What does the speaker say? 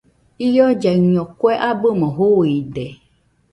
Iollaiño kue abɨmo juuide.